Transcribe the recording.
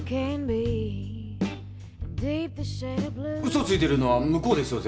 嘘ついてるのは向こうですよ絶対。